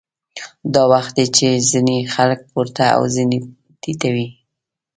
دا وخت دی چې ځینې خلک پورته او ځینې ټیټوي